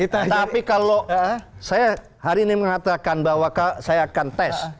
tapi kalau saya hari ini mengatakan bahwa saya akan tes